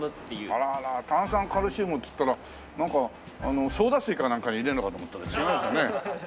あらら炭酸カルシウムっつったらなんかソーダ水かなんかに入れるのかと思ったら違うんだね。